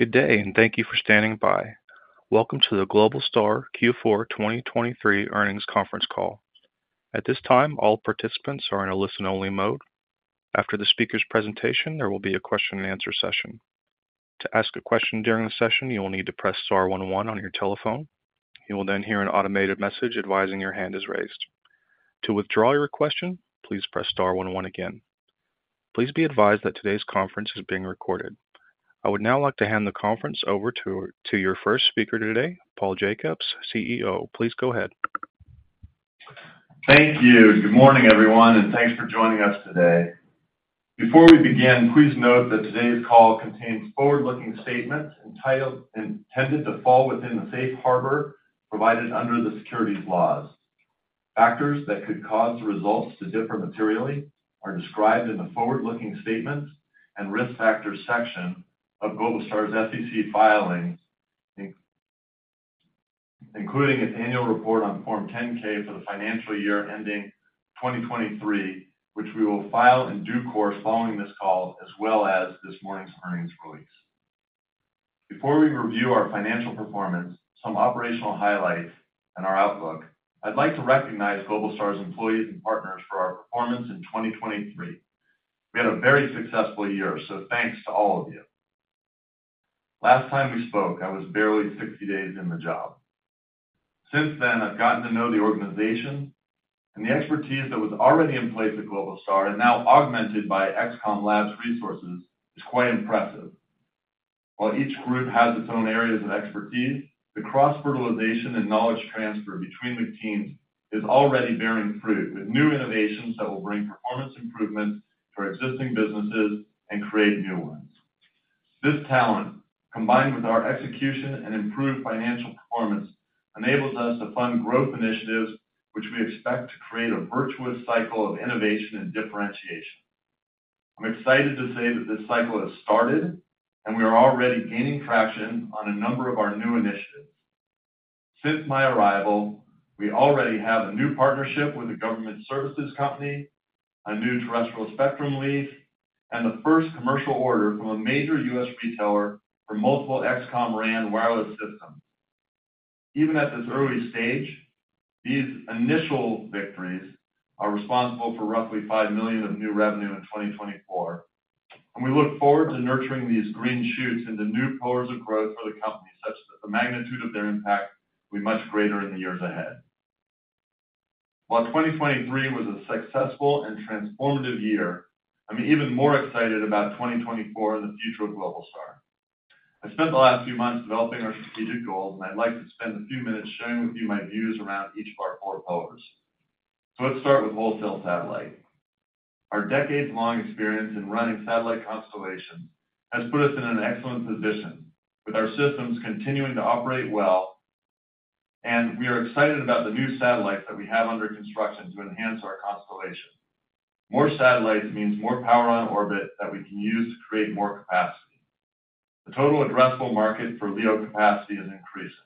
Good day and thank you for standing by. Welcome to the Globalstar Q4 2023 earnings conference call. At this time, all participants are in a listen-only mode. After the speaker's presentation, there will be a question-and-answer session. To ask a question during the session, you will need to press Star one one on your telephone. You will then hear an automated message advising your hand is raised. To withdraw your question, please press Star one one again. Please be advised that today's conference is being recorded. I would now like to hand the conference over to your first speaker today, Paul Jacobs, CEO. Please go ahead. Thank you. Good morning, everyone, and thanks for joining us today. Before we begin, please note that today's call contains forward-looking statements intended to fall within the safe harbor provided under the securities laws. Factors that could cause the results to differ materially are described in the forward-looking statements and risk factors section of Globalstar's SEC filing, including its annual report on Form 10-K for the financial year ending 2023, which we will file in due course following this call as well as this morning's earnings release. Before we review our financial performance, some operational highlights and our outlook, I'd like to recognize Globalstar's employees and partners for our performance in 2023. We had a very successful year, so thanks to all of you. Last time we spoke, I was barely 60 days in the job. Since then, I've gotten to know the organization, and the expertise that was already in place at Globalstar and now augmented by XCOM Labs' resources is quite impressive. While each group has its own areas of expertise, the cross-fertilization and knowledge transfer between the teams is already bearing fruit, with new innovations that will bring performance improvements to our existing businesses and create new ones. This talent, combined with our execution and improved financial performance, enables us to fund growth initiatives, which we expect to create a virtuous cycle of innovation and differentiation. I'm excited to say that this cycle has started, and we are already gaining traction on a number of our new initiatives. Since my arrival, we already have a new partnership with a government services company, a new terrestrial spectrum lease, and the first commercial order from a major U.S. retailer for multiple XCOM RAN wireless systems. Even at this early stage, these initial victories are responsible for roughly $5 million of new revenue in 2024, and we look forward to nurturing these green shoots into new pillars of growth for the company, such that the magnitude of their impact will be much greater in the years ahead. While 2023 was a successful and transformative year, I'm even more excited about 2024 and the future of Globalstar. I spent the last few months developing our strategic goals, and I'd like to spend a few minutes sharing with you my views around each of our four pillars. So let's start with Wholesale Satellite. Our decades-long experience in running satellite constellations has put us in an excellent position, with our systems continuing to operate well, and we are excited about the new satellites that we have under construction to enhance our constellation. More satellites means more power on orbit that we can use to create more capacity. The total addressable market for LEO capacity is increasing.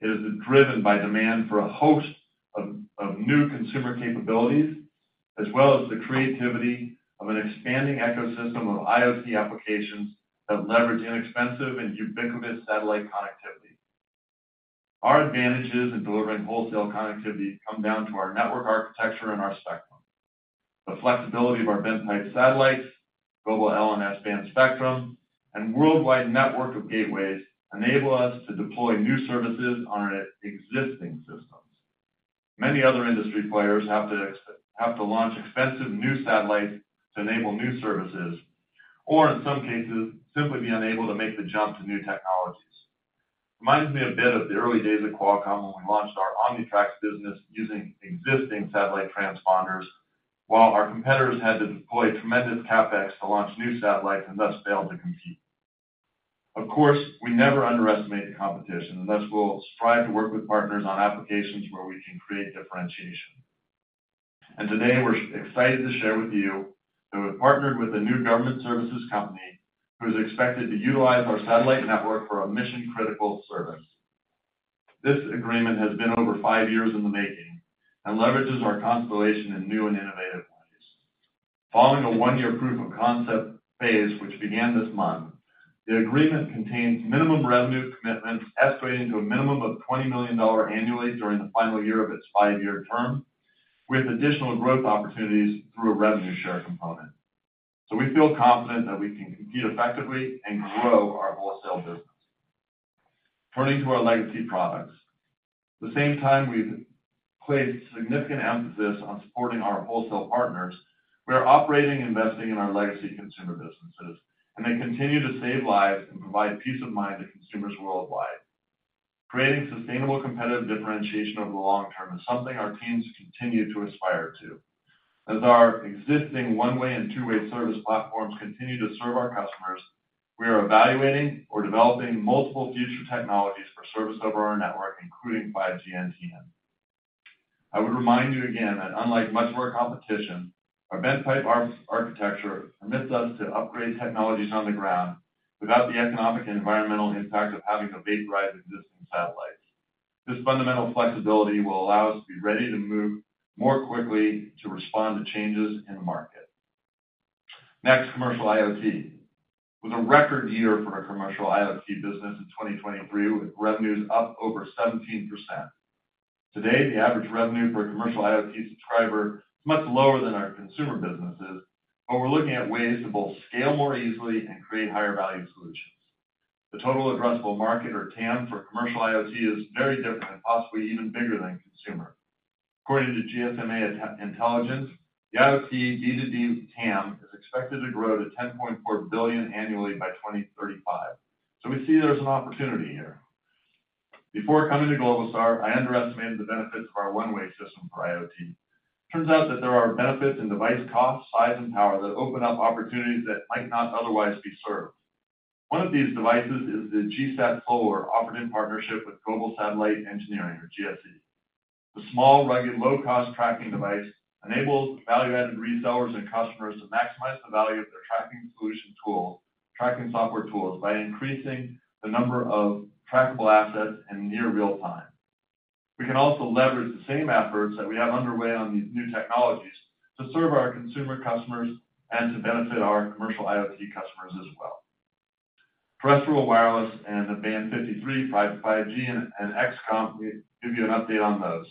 It is driven by demand for a host of new consumer capabilities, as well as the creativity of an expanding ecosystem of IoT applications that leverage inexpensive and ubiquitous satellite connectivity. Our advantages in delivering wholesale connectivity come down to our network architecture and our spectrum. The flexibility of our bent-pipe satellites, global L-band spectrum, and worldwide network of gateways enable us to deploy new services on our existing systems. Many other industry players have to launch expensive new satellites to enable new services, or in some cases, simply be unable to make the jump to new technologies. It reminds me a bit of the early days at Qualcomm when we launched our Omnitracs business using existing satellite transponders, while our competitors had to deploy tremendous CapEx to launch new satellites and thus failed to compete. Of course, we never underestimate the competition, and thus we'll strive to work with partners on applications where we can create differentiation. Today, we're excited to share with you that we've partnered with a new government services company who is expected to utilize our satellite network for a mission-critical service. This agreement has been over five years in the making and leverages our constellation in new and innovative ways. Following a one-year proof of concept phase, which began this month, the agreement contains minimum revenue commitments escalating to a minimum of $20 million annually during the final year of its five-year term, with additional growth opportunities through a revenue share component. So we feel confident that we can compete effectively and grow our wholesale business. Turning to our legacy products. At the same time we've placed significant emphasis on supporting our wholesale partners, we are operating and investing in our legacy consumer businesses, and they continue to save lives and provide peace of mind to consumers worldwide. Creating sustainable competitive differentiation over the long term is something our teams continue to aspire to. As our existing one-way and two-way service platforms continue to serve our customers, we are evaluating or developing multiple future technologies for service over our network, including 5G NTN. I would remind you again that unlike much of our competition, our bent-pipe architecture permits us to upgrade technologies on the ground without the economic and environmental impact of having to vaporize existing satellites. This fundamental flexibility will allow us to be ready to move more quickly to respond to changes in the market. Next, commercial IoT. It was a record year for a commercial IoT business in 2023, with revenues up over 17%. Today, the average revenue for a commercial IoT subscriber is much lower than our consumer businesses, but we're looking at ways to both scale more easily and create higher-value solutions. The total addressable market, or TAM, for commercial IoT is very different and possibly even bigger than consumer. According to GSMA Intelligence, the IoT D2D TAM is expected to grow to $10.4 billion annually by 2035. So we see there's an opportunity here. Before coming to Globalstar, I underestimated the benefits of our one-way system for IoT. It turns out that there are benefits in device cost, size, and power that open up opportunities that might not otherwise be served. One of these devices is the GSatSolar, offered in partnership with Global Satellite Engineering, or GSE. The small, rugged, low-cost tracking device enables value-added resellers and customers to maximize the value of their tracking solution tools, tracking software tools, by increasing the number of trackable assets in near real time. We can also leverage the same efforts that we have underway on these new technologies to serve our consumer customers and to benefit our commercial IoT customers as well. Terrestrial wireless and the Band 53, 5G, and XCOM, we'll give you an update on those.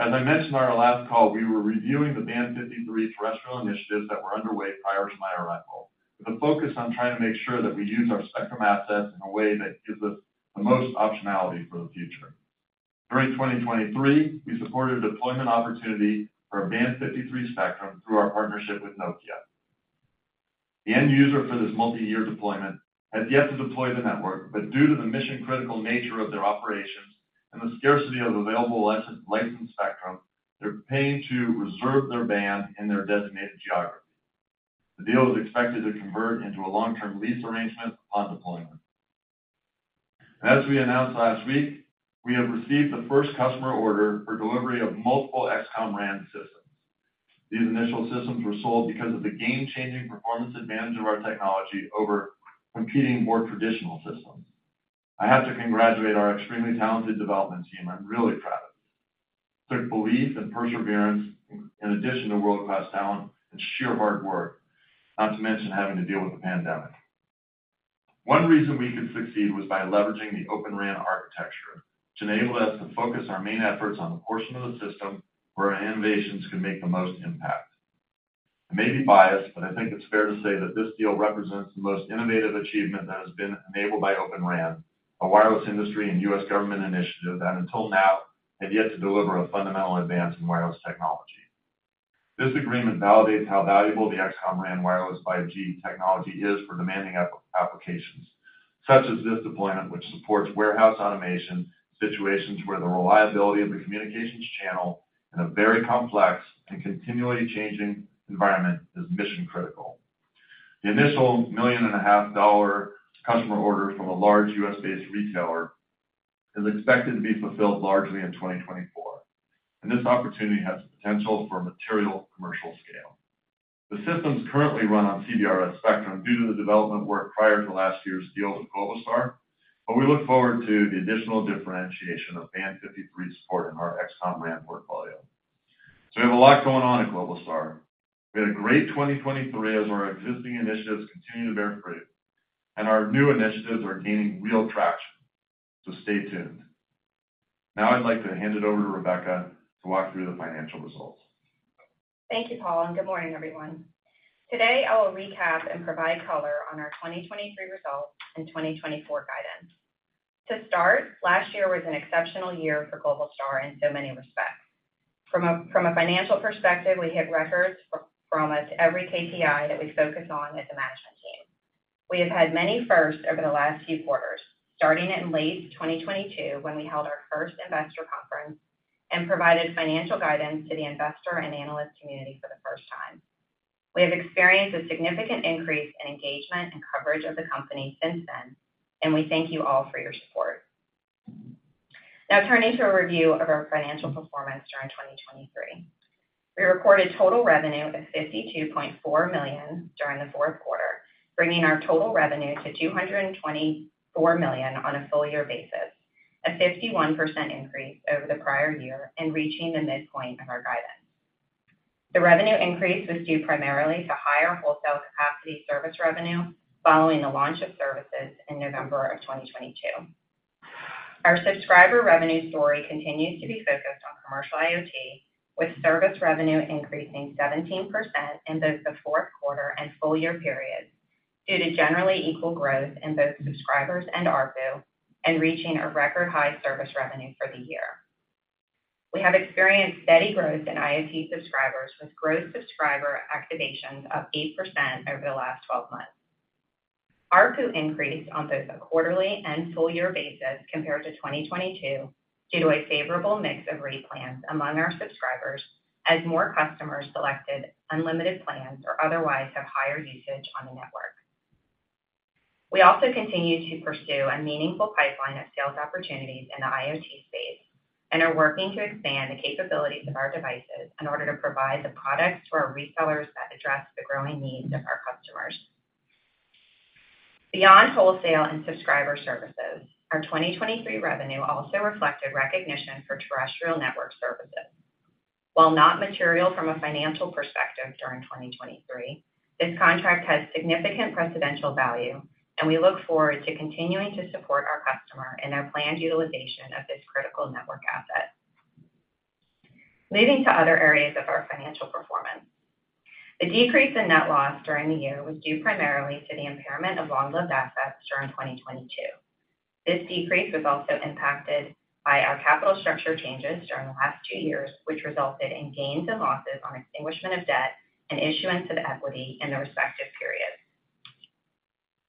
As I mentioned on our last call, we were reviewing the Band 53 terrestrial initiatives that were underway prior to my arrival, with a focus on trying to make sure that we use our spectrum assets in a way that gives us the most optionality for the future. During 2023, we supported a deployment opportunity for a Band 53 spectrum through our partnership with Nokia. The end user for this multi-year deployment has yet to deploy the network, but due to the mission-critical nature of their operations and the scarcity of available licensed spectrum, they're paying to reserve their band in their designated geography. The deal is expected to convert into a long-term lease arrangement upon deployment. As we announced last week, we have received the first customer order for delivery of multiple XCOM RAN systems. These initial systems were sold because of the game-changing performance advantage of our technology over competing more traditional systems. I have to congratulate our extremely talented development team. I'm really proud of them. It took belief and perseverance, in addition to world-class talent and sheer hard work, not to mention having to deal with the pandemic. One reason we could succeed was by leveraging the Open RAN architecture, which enabled us to focus our main efforts on the portion of the system where our innovations could make the most impact. I may be biased, but I think it's fair to say that this deal represents the most innovative achievement that has been enabled by Open RAN, a wireless industry and U.S. government initiative that until now had yet to deliver a fundamental advance in wireless technology. This agreement validates how valuable the XCOM RAN wireless 5G technology is for demanding applications, such as this deployment, which supports warehouse automation, situations where the reliability of the communications channel in a very complex and continually changing environment is mission-critical. The initial $1.5 million customer order from a large U.S.-based retailer is expected to be fulfilled largely in 2024, and this opportunity has the potential for material commercial scale. The systems currently run on CBRS spectrum due to the development work prior to last year's deal with Globalstar, but we look forward to the additional differentiation of Band 53 support in our XCOM RAN portfolio. We have a lot going on at Globalstar. We had a great 2023 as our existing initiatives continue to bear fruit, and our new initiatives are gaining real traction. Stay tuned. Now I'd like to hand it over to Rebecca to walk through the financial results. Thank you, Paul, and good morning, everyone. Today, I will recap and provide color on our 2023 results and 2024 guidance. To start, last year was an exceptional year for Globalstar in so many respects. From a financial perspective, we hit records for almost every KPI that we focus on as a management team. We have had many firsts over the last few quarters, starting in late 2022 when we held our first investor conference and provided financial guidance to the investor and analyst community for the first time. We have experienced a significant increase in engagement and coverage of the company since then, and we thank you all for your support. Now turning to a review of our financial performance during 2023. We recorded total revenue of $52.4 million during the fourth quarter, bringing our total revenue to $224 million on a full-year basis, a 51% increase over the prior year and reaching the midpoint of our guidance. The revenue increase was due primarily to higher wholesale capacity service revenue following the launch of services in November of 2022. Our subscriber revenue story continues to be focused on commercial IoT, with service revenue increasing 17% in both the fourth quarter and full-year periods due to generally equal growth in both subscribers and ARPU, and reaching a record high service revenue for the year. We have experienced steady growth in IoT subscribers, with gross subscriber activations of 8% over the last 12 months. ARPU increased on both a quarterly and full-year basis compared to 2022 due to a favorable mix of rate plans among our subscribers, as more customers selected unlimited plans or otherwise have higher usage on the network. We also continue to pursue a meaningful pipeline of sales opportunities in the IoT space and are working to expand the capabilities of our devices in order to provide the products to our resellers that address the growing needs of our customers. Beyond wholesale and subscriber services, our 2023 revenue also reflected recognition for terrestrial network services. While not material from a financial perspective during 2023, this contract has significant precedential value, and we look forward to continuing to support our customer in their planned utilization of this critical network asset. Moving to other areas of our financial performance. The decrease in net loss during the year was due primarily to the impairment of long-lived assets during 2022. This decrease was also impacted by our capital structure changes during the last two years, which resulted in gains and losses on extinguishment of debt and issuance of equity in the respective periods.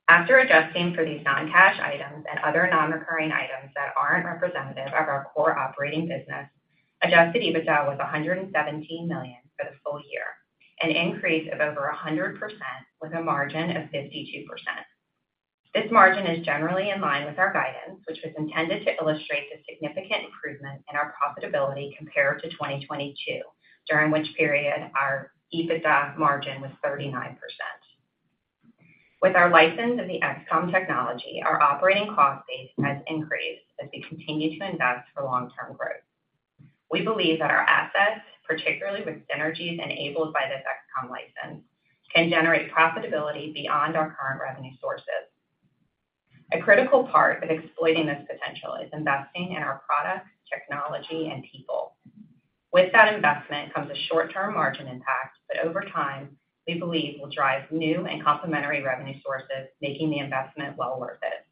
After adjusting for these non-cash items and other non-recurring items that aren't representative of our core operating business, adjusted EBITDA was $117 million for the full year, an increase of over 100% with a margin of 52%. This margin is generally in line with our guidance, which was intended to illustrate the significant improvement in our profitability compared to 2022, during which period our EBITDA margin was 39%. With our license and the XCOM technology, our operating cost base has increased as we continue to invest for long-term growth. We believe that our assets, particularly with synergies enabled by this XCOM license, can generate profitability beyond our current revenue sources. A critical part of exploiting this potential is investing in our products, technology, and people. With that investment comes a short-term margin impact, but over time, we believe will drive new and complementary revenue sources, making the investment well worth it.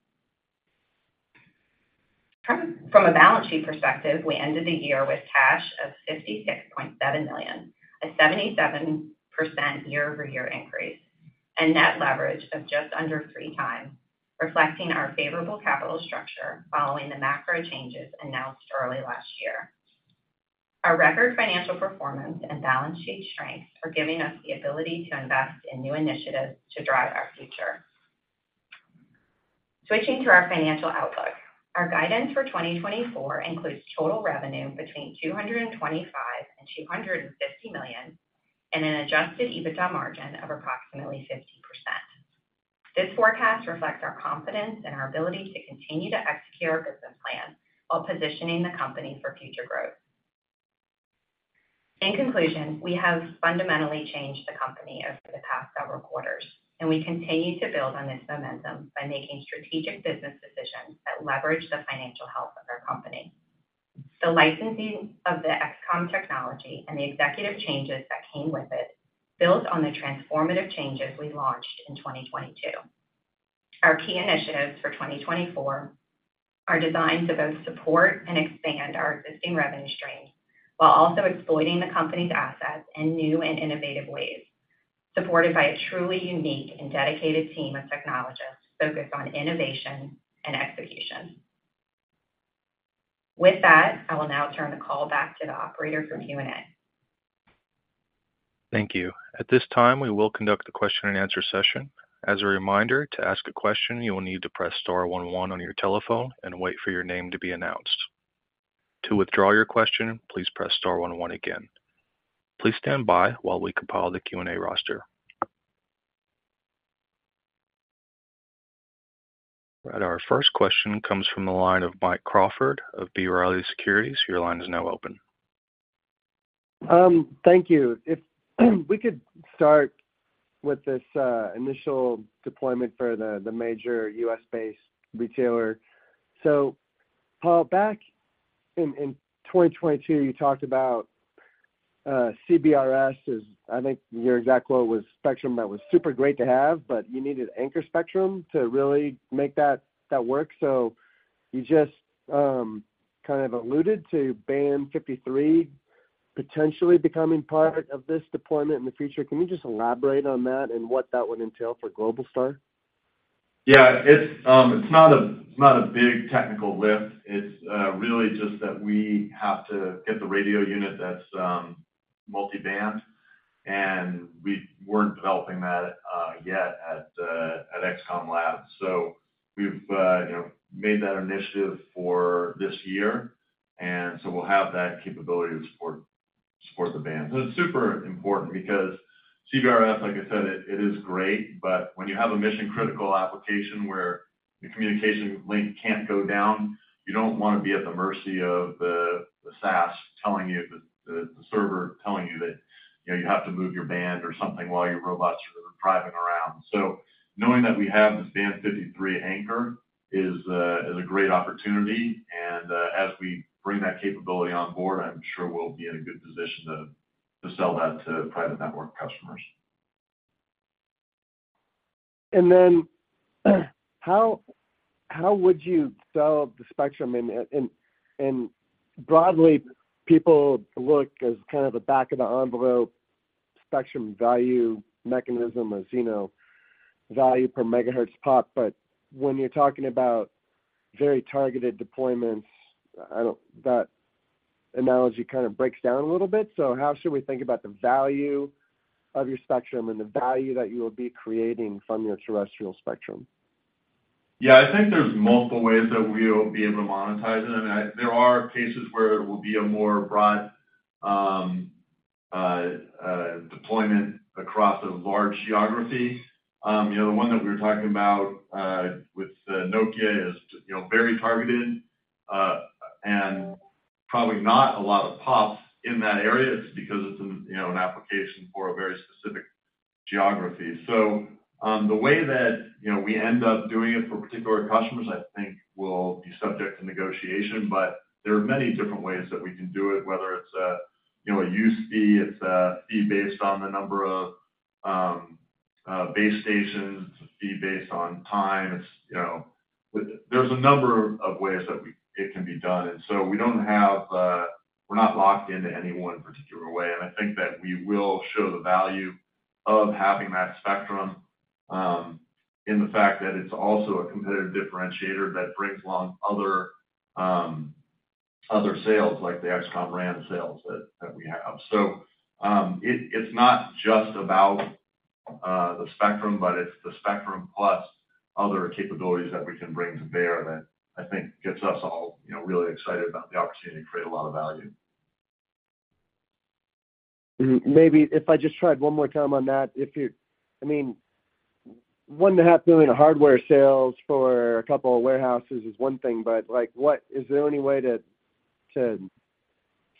From a balance sheet perspective, we ended the year with cash of $56.7 million, a 77% year-over-year increase, and net leverage of just under 3 times, reflecting our favorable capital structure following the macro changes announced early last year. Our record financial performance and balance sheet strengths are giving us the ability to invest in new initiatives to drive our future. Switching to our financial outlook, our guidance for 2024 includes total revenue between $225 million-$250 million and an Adjusted EBITDA margin of approximately 50%. This forecast reflects our confidence in our ability to continue to execute our business plan while positioning the company for future growth. In conclusion, we have fundamentally changed the company over the past several quarters, and we continue to build on this momentum by making strategic business decisions that leverage the financial health of our company. The licensing of the XCOM technology and the executive changes that came with it build on the transformative changes we launched in 2022. Our key initiatives for 2024 are designed to both support and expand our existing revenue streams while also exploiting the company's assets in new and innovative ways, supported by a truly unique and dedicated team of technologists focused on innovation and execution. With that, I will now turn the call back to the operator for Q&A. Thank you. At this time, we will conduct a question-and-answer session. As a reminder, to ask a question, you will need to press Star one one on your telephone and wait for your name to be announced. To withdraw your question, please press Star one one again. Please stand by while we compile the Q&A roster. All right. Our first question comes from the line of Mike Crawford of B. Riley Securities. Your line is now open. Thank you. If we could start with this initial deployment for the major U.S.-based retailer. So, Paul, back in 2022, you talked about CBRS as I think your exact quote was spectrum that was super great to have, but you needed anchor spectrum to really make that work. So you just kind of alluded to Band 53 potentially becoming part of this deployment in the future. Can you just elaborate on that and what that would entail for Globalstar? Yeah. It's not a big technical lift. It's really just that we have to get the radio unit that's multi-band, and we weren't developing that yet at XCOM Labs. So we've made that initiative for this year, and so we'll have that capability to support the band. So it's super important because CBRS, like I said, it is great, but when you have a mission-critical application where the communication link can't go down, you don't want to be at the mercy of the SAS telling you the server telling you that you have to move your band or something while your robots are driving around. So knowing that we have this Band 53 anchor is a great opportunity, and as we bring that capability on board, I'm sure we'll be in a good position to sell that to private network customers. Then how would you sell the spectrum? Broadly, people look at kind of a back-of-the-envelope spectrum value mechanism as value per megahertz pop, but when you're talking about very targeted deployments, that analogy kind of breaks down a little bit. So how should we think about the value of your spectrum and the value that you will be creating from your terrestrial spectrum? Yeah. I think there's multiple ways that we'll be able to monetize it. I mean, there are cases where it will be a more broad deployment across a large geography. The one that we were talking about with Nokia is very targeted and probably not a lot of pops in that area. It's because it's an application for a very specific geography. So the way that we end up doing it for particular customers, I think, will be subject to negotiation, but there are many different ways that we can do it, whether it's a use fee, it's a fee based on the number of base stations, it's a fee based on time. There's a number of ways that it can be done. And so we're not locked into any one particular way. I think that we will show the value of having that spectrum in the fact that it's also a competitive differentiator that brings along other sales like the XCOM RAN sales that we have. It's not just about the spectrum, but it's the spectrum plus other capabilities that we can bring to bear that I think gets us all really excited about the opportunity to create a lot of value. Maybe if I just tried one more time on that. I mean, 1.5 million hardware sales for a couple of warehouses is one thing, but is there any way to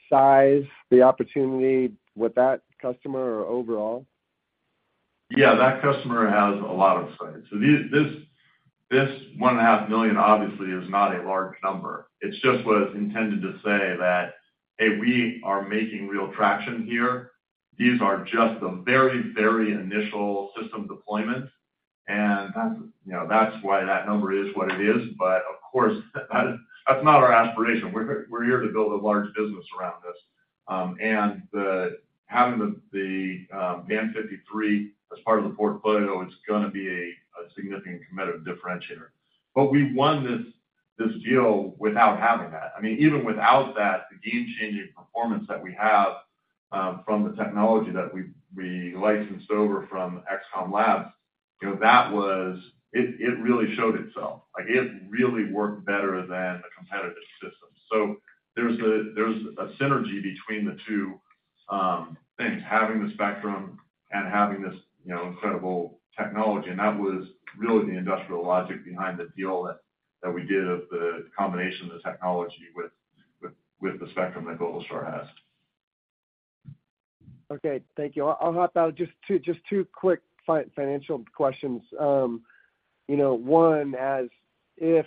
size the opportunity with that customer or overall? Yeah. That customer has a lot of say. So this $1.5 million, obviously, is not a large number. It just was intended to say that, "Hey, we are making real traction here. These are just the very, very initial system deployments," and that's why that number is what it is. But of course, that's not our aspiration. We're here to build a large business around this. And having the Band 53 as part of the portfolio, it's going to be a significant committed differentiator. But we won this deal without having that. I mean, even without that, the game-changing performance that we have from the technology that we licensed over from XCOM Labs, that was it really showed itself. It really worked better than the competitive systems. So there's a synergy between the two things, having the spectrum and having this incredible technology. That was really the industrial logic behind the deal that we did of the combination of the technology with the spectrum that Globalstar has. Okay. Thank you. I'll hop out. Just two quick financial questions. One, if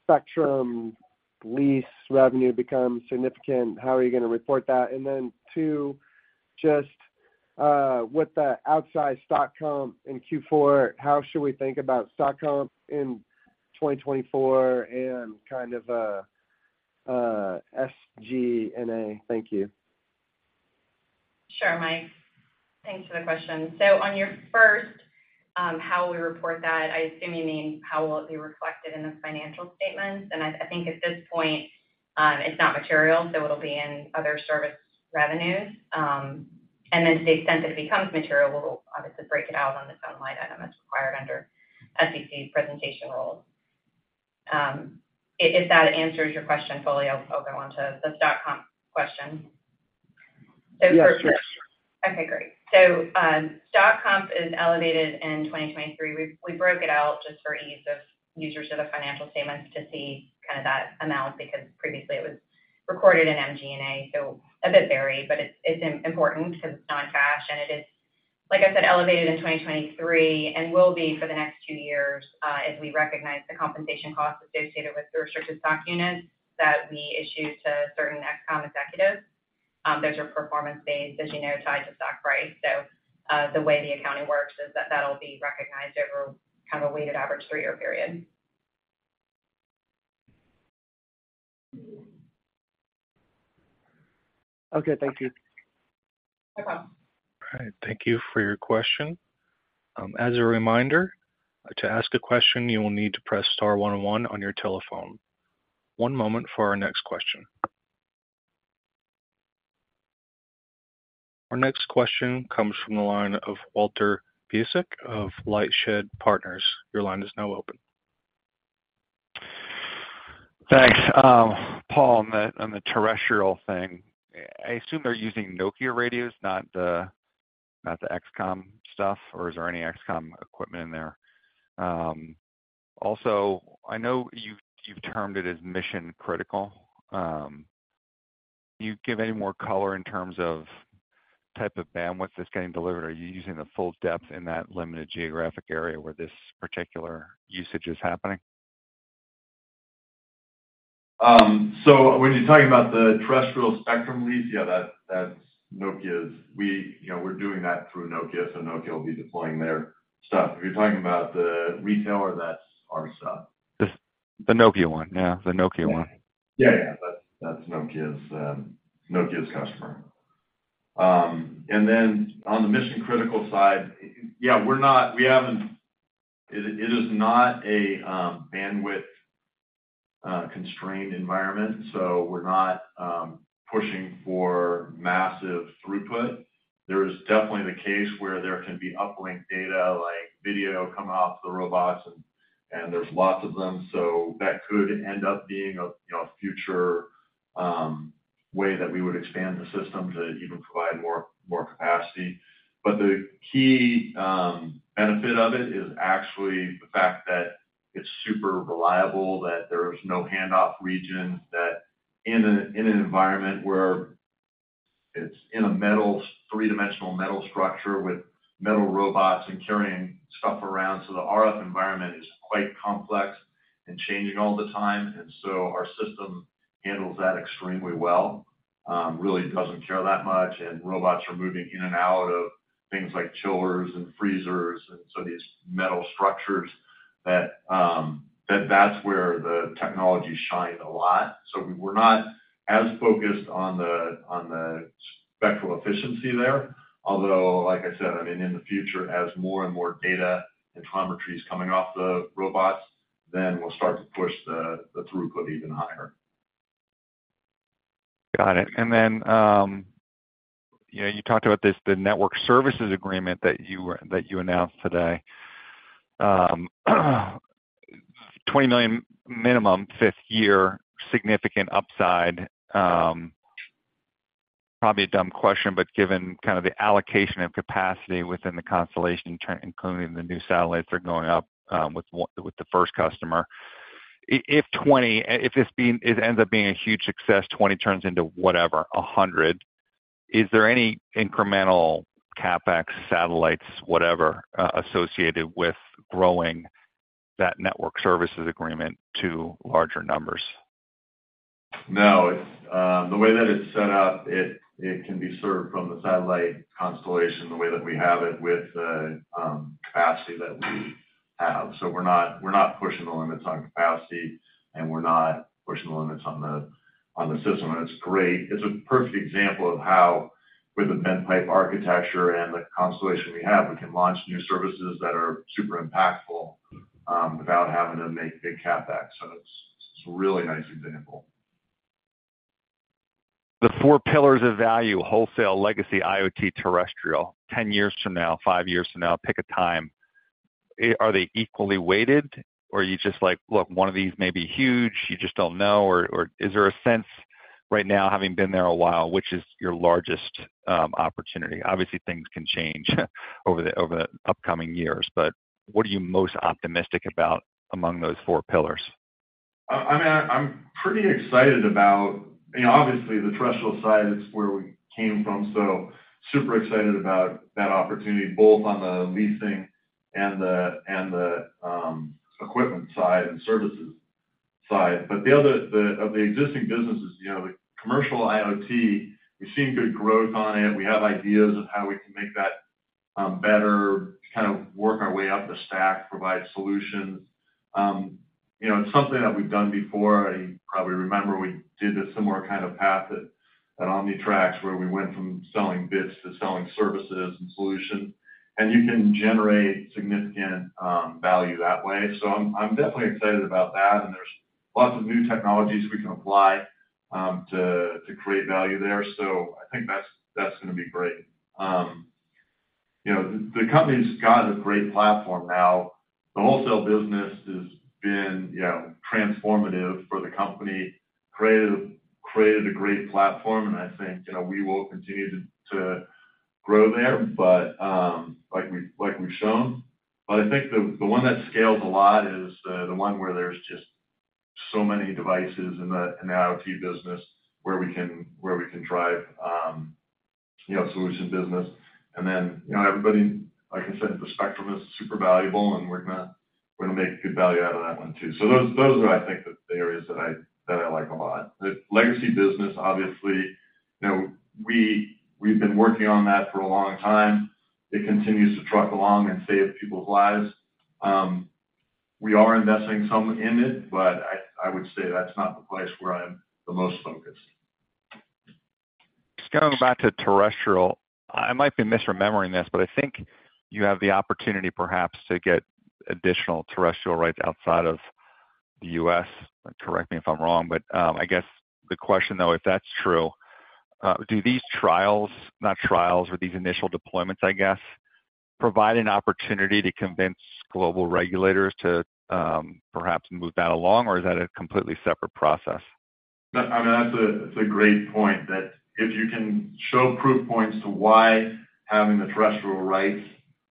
spectrum lease revenue becomes significant, how are you going to report that? And then two, just with the outside stock comp in Q4, how should we think about stock comp in 2024 and kind of SG&A? Thank you. Sure, Mike. Thanks for the question. So on your first, how will we report that? I assume you mean how will it be reflected in the financial statements? I think at this point, it's not material, so it'll be in other service revenues. Then to the extent that it becomes material, we'll obviously break it out on its own line item as required under SEC presentation rules. If that answers your question fully, I'll go on to the stock comp question. So for. Yes, sure. Okay. Great. So stock comp is elevated in 2023. We broke it out just for ease of users of the financial statements to see kind of that amount because previously, it was recorded in MG&A. So a bit varied, but it's important because it's non-cash. And it is, like I said, elevated in 2023 and will be for the next two years as we recognize the compensation costs associated with the restricted stock units that we issue to certain XCOM executives. Those are performance-based, as you know, tied to stock price. So the way the accounting works is that that'll be recognized over kind of a weighted average three-year period. Okay. Thank you. No problem. All right. Thank you for your question. As a reminder, to ask a question, you will need to press Star one one on your telephone. One moment for our next question. Our next question comes from the line of Walt Piecyk of LightShed Partners. Your line is now open. Thanks. Paul, on the terrestrial thing, I assume they're using Nokia radios, not the XCOM stuff, or is there any XCOM equipment in there? Also, I know you've termed it as mission-critical. Can you give any more color in terms of type of bandwidth that's getting delivered? Are you using the full depth in that limited geographic area where this particular usage is happening? So when you're talking about the terrestrial spectrum lease, yeah, that's Nokia's. We're doing that through Nokia, so Nokia will be deploying their stuff. If you're talking about the retailer, that's our stuff. The Nokia one. Yeah, the Nokia one. Yeah, yeah. That's Nokia's customer. And then on the mission-critical side, yeah, it is not a bandwidth-constrained environment, so we're not pushing for massive throughput. There is definitely the case where there can be uplinked data like video coming off the robots, and there's lots of them. So that could end up being a future way that we would expand the system to even provide more capacity. But the key benefit of it is actually the fact that it's super reliable, that there's no handoff regions, that in an environment where it's in a three-dimensional metal structure with metal robots and carrying stuff around, so the RF environment is quite complex and changing all the time. And so our system handles that extremely well, really doesn't care that much, and robots are moving in and out of things like chillers and freezers. So these metal structures, that's where the technology shined a lot. We're not as focused on the spectral efficiency there. Although, like I said, I mean, in the future, as more and more data and telemetry is coming off the robots, then we'll start to push the throughput even higher. Got it. Then you talked about the network services agreement that you announced today. $20 million minimum, fifth year, significant upside. Probably a dumb question, but given kind of the allocation of capacity within the constellation, including the new satellites that are going up with the first customer, if this ends up being a huge success, $20 million turns into whatever, $100 million, is there any incremental CapEx, satellites, whatever, associated with growing that network services agreement to larger numbers? No. The way that it's set up, it can be served from the satellite constellation the way that we have it with the capacity that we have. So we're not pushing the limits on capacity, and we're not pushing the limits on the system. And it's great. It's a perfect example of how, with the bent-pipe architecture and the constellation we have, we can launch new services that are super impactful without having to make big CapEx. So it's a really nice example. The four pillars of value: wholesale, legacy, IoT, terrestrial. 10 years from now, 5 years from now, pick a time. Are they equally weighted, or are you just like, "Look, one of these may be huge. You just don't know"? Or is there a sense right now, having been there a while, which is your largest opportunity? Obviously, things can change over the upcoming years, but what are you most optimistic about among those four pillars? I mean, I'm pretty excited about obviously, the terrestrial side, it's where we came from, so super excited about that opportunity, both on the leasing and the equipment side and services side. But of the existing businesses, the commercial IoT, we've seen good growth on it. We have ideas of how we can make that better, kind of work our way up the stack, provide solutions. It's something that we've done before. You probably remember we did a similar kind of path at Omnitracs where we went from selling bits to selling services and solutions, and you can generate significant value that way. So I'm definitely excited about that, and there's lots of new technologies we can apply to create value there. So I think that's going to be great. The company's got a great platform now. The wholesale business has been transformative for the company, created a great platform, and I think we will continue to grow there, like we've shown. But I think the one that scales a lot is the one where there's just so many devices in the IoT business where we can drive solution business. And then everybody, like I said, the spectrum is super valuable, and we're going to make good value out of that one too. So those are, I think, the areas that I like a lot. The legacy business, obviously, we've been working on that for a long time. It continues to truck along and save people's lives. We are investing some in it, but I would say that's not the place where I'm the most focused. Going back to terrestrial, I might be misremembering this, but I think you have the opportunity, perhaps, to get additional terrestrial rights outside of the U.S. Correct me if I'm wrong, but I guess the question, though, if that's true, do these trials not trials, but these initial deployments, I guess, provide an opportunity to convince global regulators to perhaps move that along, or is that a completely separate process? I mean, that's a great point, that if you can show proof points to why having the terrestrial rights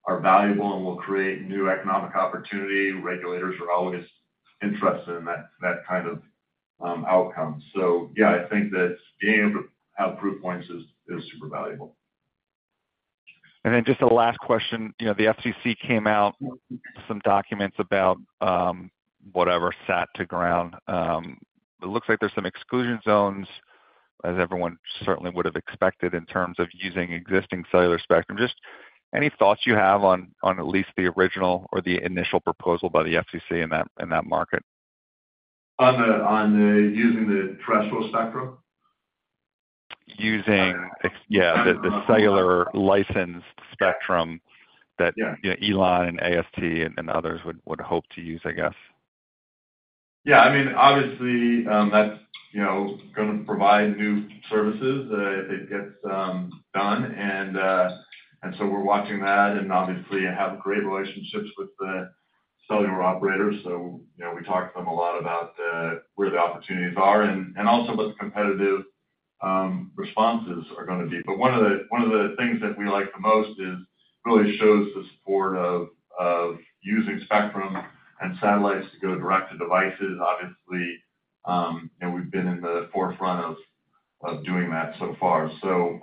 are valuable and will create new economic opportunity, regulators are always interested in that kind of outcome. So yeah, I think that being able to have proof points is super valuable. Then just the last question. The FCC came out with some documents about whatever sat to ground. It looks like there's some exclusion zones, as everyone certainly would have expected in terms of using existing cellular spectrum. Just any thoughts you have on at least the original or the initial proposal by the FCC in that market? On using the terrestrial spectrum? Using, yeah, the cellular licensed spectrum that Elon and AST and others would hope to use, I guess. Yeah. I mean, obviously, that's going to provide new services if it gets done. So we're watching that and obviously have great relationships with the cellular operators. We talk to them a lot about where the opportunities are and also what the competitive responses are going to be. But one of the things that we like the most is really shows the support of using spectrum and satellites to go direct to devices. Obviously, we've been in the forefront of doing that so far. So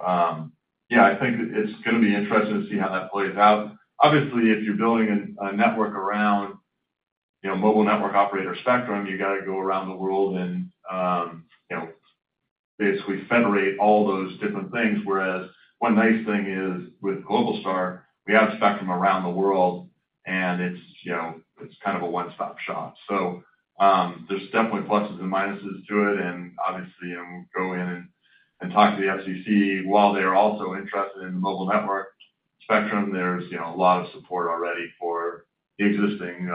yeah, I think it's going to be interesting to see how that plays out. Obviously, if you're building a network around mobile network operator spectrum, you got to go around the world and basically federate all those different things. Whereas one nice thing is with Globalstar, we have spectrum around the world, and it's kind of a one-stop shop. So there's definitely pluses and minuses to it. Obviously, go in and talk to the FCC. While they are also interested in the mobile network spectrum, there's a lot of support already for the existing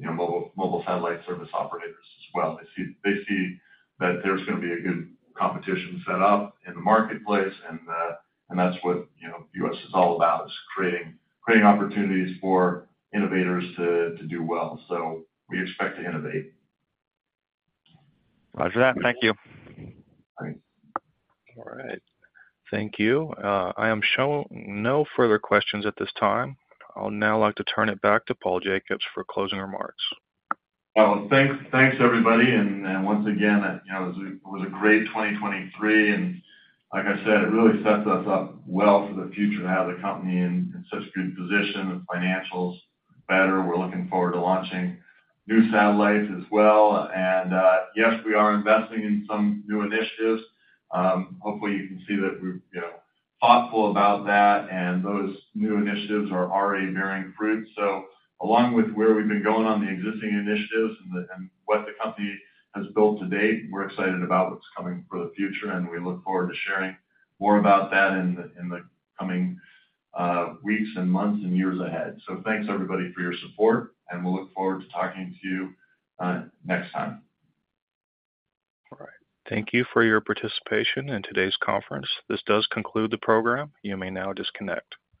mobile satellite service operators as well. They see that there's going to be a good competition set up in the marketplace, and that's what the U.S. is all about, is creating opportunities for innovators to do well. We expect to innovate. Roger that. Thank you. Thanks. All right. Thank you. I am showing no further questions at this time. I'll now like to turn it back to Paul Jacobs for closing remarks. Well, thanks, everybody. Once again, it was a great 2023. Like I said, it really sets us up well for the future to have the company in such good position, the financials better. We're looking forward to launching new satellites as well. Yes, we are investing in some new initiatives. Hopefully, you can see that we're thoughtful about that, and those new initiatives are already bearing fruit. Along with where we've been going on the existing initiatives and what the company has built to date, we're excited about what's coming for the future, and we look forward to sharing more about that in the coming weeks and months and years ahead. Thanks, everybody, for your support, and we'll look forward to talking to you next time. All right. Thank you for your participation in today's conference. This does conclude the program. You may now disconnect.